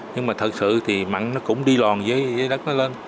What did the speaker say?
nhưng mà thật sự thì mặn nó cũng đi lòn dưới đất nó lên